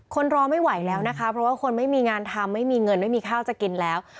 คนรอไม่ไหวแล้วนะคะเพราะว่าคนไม่มีงานทำไม่มีเงินไม่มีข้าวจะกินแล้ว